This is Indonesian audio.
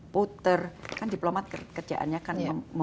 voter kan diplomat kerjaannya kan